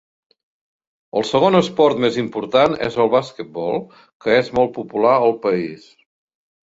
El segon esport més important és el basquetbol, que és molt popular al país.